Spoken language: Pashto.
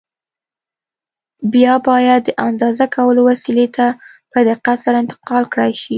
بیا باید د اندازه کولو وسیلې ته په دقت سره انتقال کړای شي.